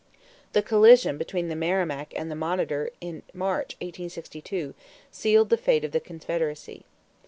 The collision between the Merrimac and the Monitor in March, 1862, sealed the fate of the Confederacy.